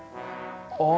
ああ。